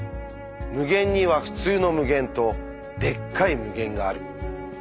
無限には「ふつうの無限」と「でっかい無限」がある。